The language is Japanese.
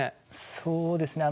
そうですね